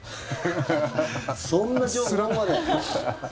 そんな情報まで。